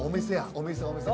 お店お店。